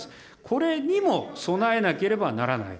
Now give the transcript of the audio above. これにも備えなければならない。